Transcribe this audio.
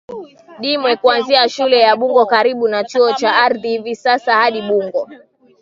Dimwe kuanzia shule ya Bungo karibu na chuo cha ardhi hivi sasa hadi Bungo